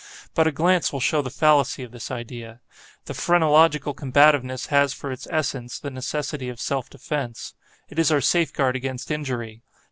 But a glance will show the fallacy of this idea. The phrenological combativeness has for its essence, the necessity of self defence. It is our safeguard against injury.